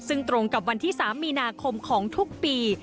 ซึ่งตรงกับวันที่๓มีนาคมของทุกปี